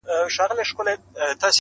اراده مسیر بدلوي!